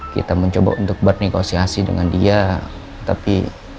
kita mencoba untuk bernegosiasi dengan dia tapi